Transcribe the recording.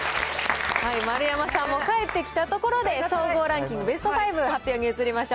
丸山さんも帰ってきたところで、総合ランキングベスト５発表に移りましょう。